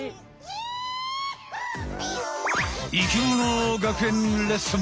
生きもの学園レッスン！